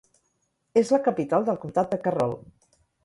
És la capital del comtat de Carroll.